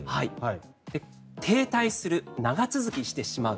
停滞する、長続きしてしまう。